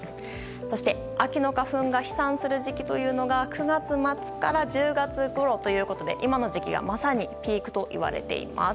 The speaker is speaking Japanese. そして秋の花粉が飛散する時期というのが９月末から１０月ごろということで今の時期がまさにピークといわれています。